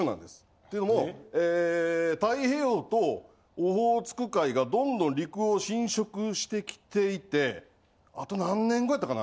っていうのも太平洋とオホーツク海がどんどん陸を浸食してきていてあと何年後やったかな？